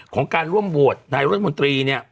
ของการร่วมโบสถ์ในฐานวันที่๑เนี่ย